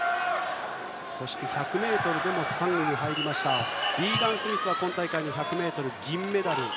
そして１００ｍでも３位に入りましたリーガン・スミスは今大会の１００ｍで銀メダル。